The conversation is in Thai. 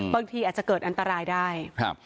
บางทีอาจจะเกิดอันตรายได้ครับ